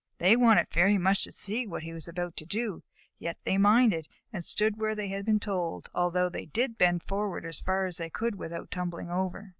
They wanted very much to see what he was about to do, yet they minded, and stood where they had been told, although they did bend forward as far as they could without tumbling over.